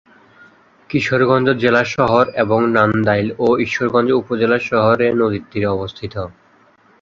কিশোরগঞ্জ জেলা শহর এবং নান্দাইল ও ঈশ্বরগঞ্জ উপজেলা শহর এ নদীর তীরে অবস্থিত।